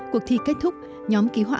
cuộc thi kết thúc nhóm ký họa